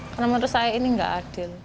karena menurut saya ini nggak adil